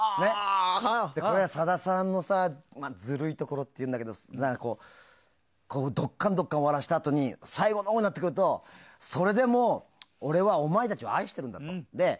これが、さださんのさずるいところっていうんだけどどっかんどっかん笑わせたあとに最後のほうになるとそれでも俺はお前たちを愛してるんだと。